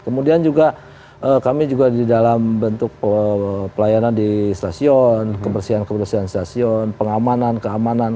kemudian juga kami juga di dalam bentuk pelayanan di stasiun kebersihan kebersihan stasiun pengamanan keamanan